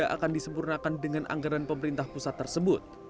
akan disempurnakan dengan anggaran pemerintah pusat tersebut